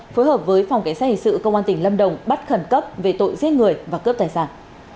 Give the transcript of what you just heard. phối hợp với phòng cảnh sát hình sự công an tỉnh lâm đồng bắt khẩn cấp về tội giết người và cướp tài sản